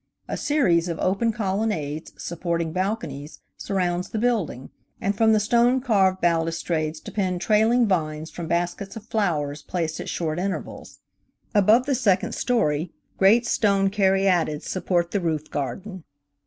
A series of open colonnades, supporting balconies, surrounds the building, and from the stone carved balustrades depend trailing vines from baskets of flowers placed at short intervals. Above the second story, great stone caryatides support the roof garden.